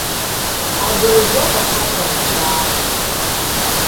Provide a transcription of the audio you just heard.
Абыржәоуп ахаҵараҵәҟьа аамҭа.